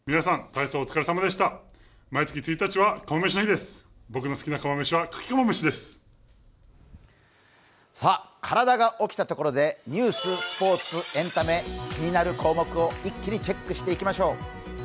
体が起きたところでニュース、スポーツ、エンタメ気になる項目を一気にチェックしていきましよう。